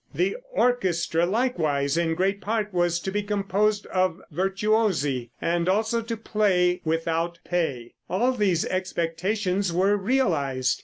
The orchestra, likewise, in great part was to be composed of virtuosi also to play without pay. All these expectations were realized.